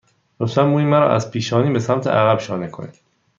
لطفاً موی مرا از پیشانی به سمت عقب شانه کنید.